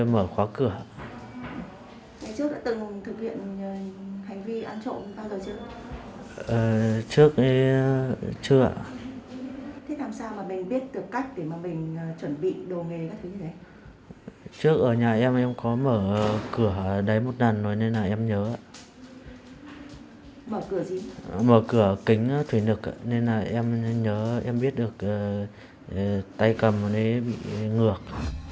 mở cửa kính thủy lực nên là em nhớ em biết được tay cầm nó bị ngược